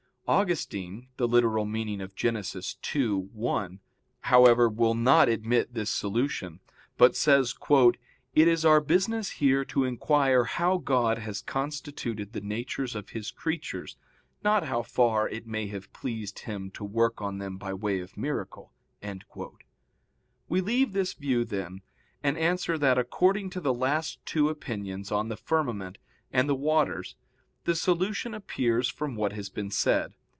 Augustine (Gen. ad lit. ii, 1), however will not admit this solution, but says "It is our business here to inquire how God has constituted the natures of His creatures, not how far it may have pleased Him to work on them by way of miracle." We leave this view, then, and answer that according to the last two opinions on the firmament and the waters the solution appears from what has been said.